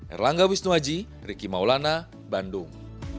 erlangga wisnuhaji ricky maulana bandung